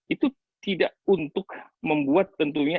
itu tidak untuk membuat tentunya